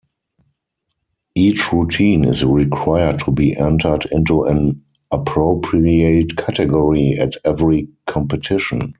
Each routine is required to be entered into an appropriate category at every competition.